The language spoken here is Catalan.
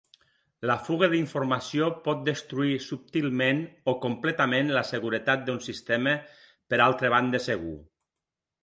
La fuga d'informació pot destruir subtilment o completament la seguretat d'un sistema per altra banda segur.